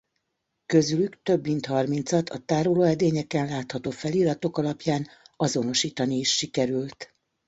Közülük több mint harmincat a tárolóedényeken látható feliratok alapján azonosítani is sikerült.